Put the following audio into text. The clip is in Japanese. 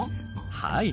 はい。